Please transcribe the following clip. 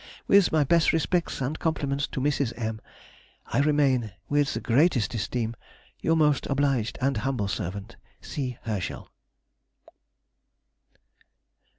With my best respects and compliments to Mrs. M., I remain, with the greatest esteem, Your most obliged and humble servant, C. HERSCHEL.